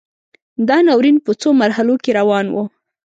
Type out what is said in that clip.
دا ناورین په څو مرحلو کې روان و.